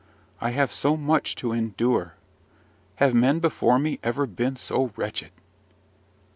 I have so much to endure! Have men before me ever been so wretched?